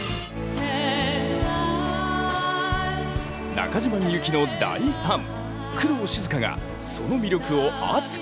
中島みゆきの大ファン工藤静香がその魅力を熱く語る！